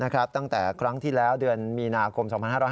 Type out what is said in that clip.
ตั้งแต่ครั้งที่แล้วเดือนมีนาคม๒๕๕๙